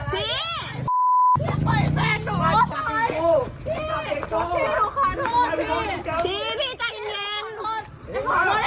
พี่พี่ใจเย็น